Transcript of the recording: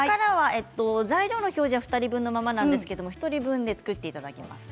材料の表示は２人分のままですが１人分で作っていきます。